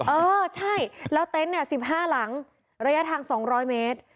เออใช่แล้วเต็นต์เนี่ย๑๕หลังระยะทาง๒๐๐เมตร